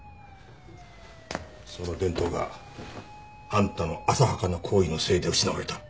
その伝統があんたの浅はかな行為のせいで失われた。